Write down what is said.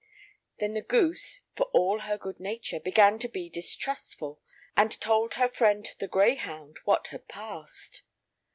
Then the goose, for all her good nature, began to be distrustful, and told her friend the greyhound what had passed.